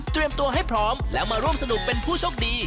ตัวให้พร้อมแล้วมาร่วมสนุกเป็นผู้โชคดี